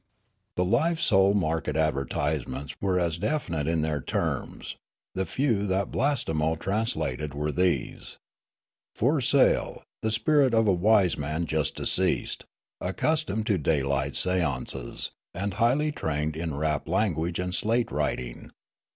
" The live soul marl:et advertisements were as defin ite in their terms ; the few that Blastemo translated were these :' For sale, the spirit of a wise man just deceased, accustomed to daylight seances, and highly trained in rap language and slate writing.